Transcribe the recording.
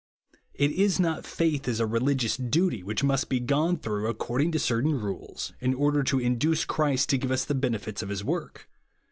It is not faith, as a religious duty, v/hich must be gone through according to certain rules, in order to induce Christ to give us the benefits of his work.